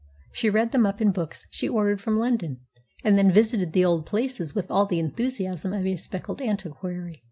She read them up in books she ordered from London, and then visited the old places with all the enthusiasm of a spectacled antiquary.